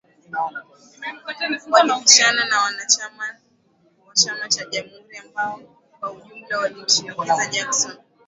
Walipishana na wanachama wa chama cha Jamhuri ambao kwa ujumla walimshinikiza Jackson